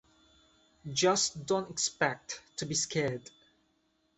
Just don't expect to be scared.